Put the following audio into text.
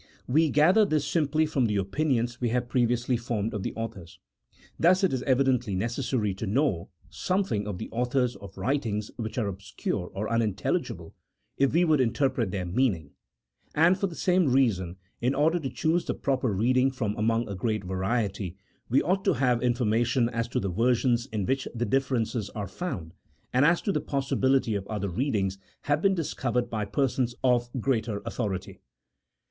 We gather this simply from the opinions we had previously formed of the authors. Thus it is evidently necessary to know some thing of the authors of writings which are obscure or un intelligible, if we would interpret their meaning ; and for the same reason, in order to choose the proper reading from among a great variety, we ought to have information as to the versions in which the differences are found, and as to the possibility of other readings having been discovered by persons of greater authority.